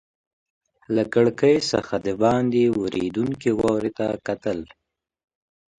له کړکۍ څخه دباندې ورېدونکې واورې ته کتل.